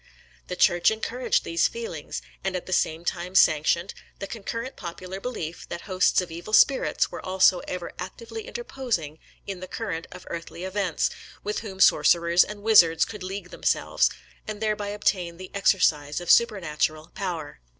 The Church encouraged these feelings; and at the same time sanctioned; the concurrent popular belief that hosts of evil spirits were also ever actively interposing in the current of earthly events, with whom sorcerers and wizards could league themselves, and thereby obtain the exercise of supernatural power.